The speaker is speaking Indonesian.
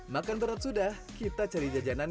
makan berat sudah kita cari jajanan